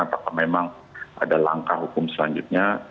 apakah memang ada langkah hukum selanjutnya